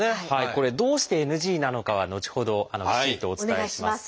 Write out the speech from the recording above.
これどうしてＮＧなのかは後ほどきちんとお伝えします。